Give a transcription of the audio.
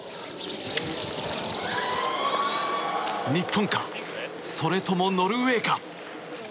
日本か、それともノルウェーか。